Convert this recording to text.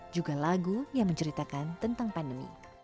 juga lagu yang menceritakan tentang pandemi